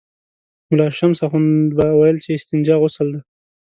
ملا شمس اخند به ویل چې استنجا غسل دی.